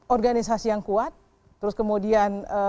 organisasi yang kuat terus kemudian